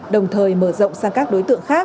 đồng thời mở rộng sang các đối tượng khác